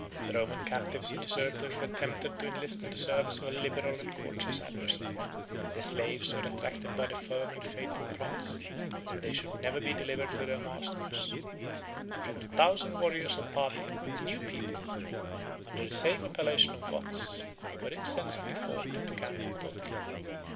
The Roman captives and deserters were tempted to enlist in the service of a liberal and courteous adversary; the slaves were attracted by the firm and faithful promise, that they should never be delivered to their masters; and from the thousand warriors of Pavia, a new people, under the same appellation of Goths, was insensibly formed in the camp of Totila.